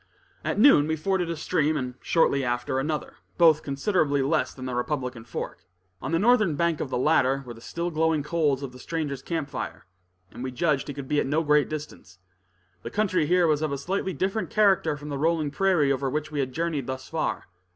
At noon we forded a stream, and shortly after another, both considerably less than the Republican Fork. On the northern bank of the latter, were the still glowing coals of the stranger's camp fire, and we judged he could be at no great distance. The country here was of a slightly different character from the rolling prairie over which we had journeyed thus far.